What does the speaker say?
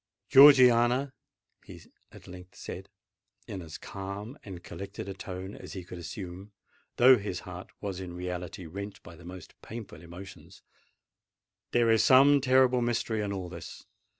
"Georgiana," he at length said, in as calm and collected a tone as he could assume, though his heart was in reality rent by the most painful emotions, "there is some terrible mystery in all this!